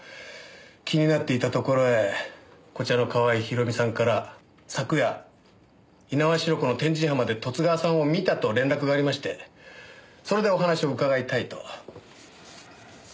気になっていたところへこちらの川合ひろみさんから昨夜猪苗代湖の天神浜で十津川さんを見たと連絡がありましてそれでお話を伺いたいと。